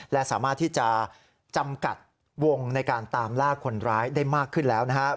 และสามารถที่จะจำกัดวงในการตามล่าคนร้ายได้มากขึ้นแล้วนะครับ